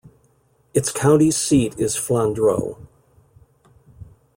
Its county seat is Flandreau.